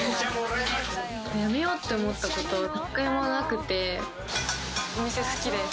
やめよって思ったこと１回もなくてお店好きです。